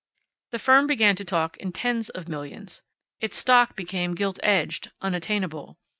The firm began to talk in tens of millions. Its stock became gilt edged, unattainable.